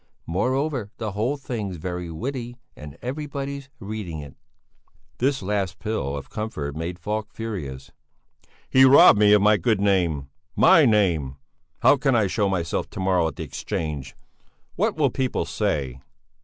Moreover, the whole thing's very witty, and everybody's reading it." This last pill of comfort made Falk furious. "He's robbed me of my good name! My name! How can I show myself to morrow at the Exchange? What will people say?"